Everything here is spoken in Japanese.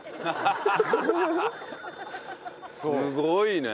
すごいね。